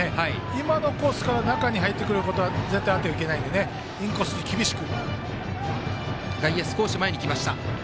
今のコースから中に入ってくることは絶対あってはいけないのでインコースに厳しく。